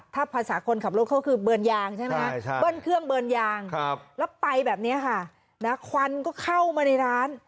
ถ้าภาษาคนขับรถเขาคือเบิร์นยางใช่ไหมคะเบิ้ลเครื่องเบิร์นยางแล้วไปแบบนี้ค่ะนะควันก็เข้ามาในร้าน